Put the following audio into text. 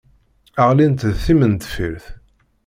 Ɣlint d timendeffirt.